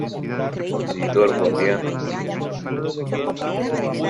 Editor Guardian Angel Publ.